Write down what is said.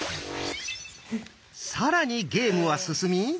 更にゲームは進み。